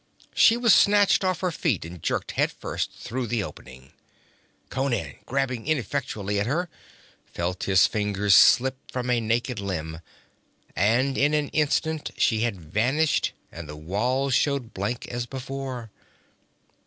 She was snatched off her feet and jerked head first through the opening. Conan, grabbing ineffectually at her, felt his fingers slip from a naked limb, and in an instant she had vanished and the wall showed blank as before.